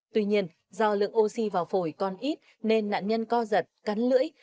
tuy nhiên do lượng oxy vào phổi còn ít nên nạn nhân co giật cắn lưỡi